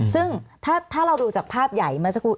ซึ่งถ้าเราดูจากภาพใหญ่เมื่อสักครู่